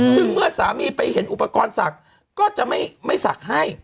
ซึ่งเมื่อสามีไปเห็นอุปกรณ์ศักดิ์ก็จะไม่ศักดิ์ให้